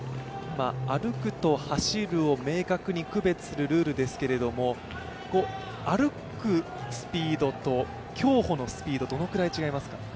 歩くと走るを明確に区別するルールですけれども、歩くスピードと競歩のスピード、どのくらい違いますか？